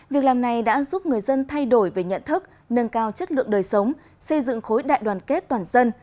việc làm này đã giúp người dân thay đổi về nhận thức nâng cao chất lượng đời sống xây dựng khối đại đoàn kết toàn dân